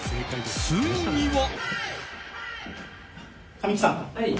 ついには。